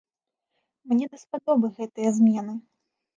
Мне даспадобы гэтыя змены!